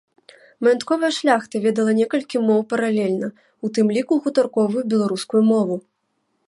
Маянтковая шляхта ведала некалькі моў паралельна, у тым ліку гутарковую беларускую мову.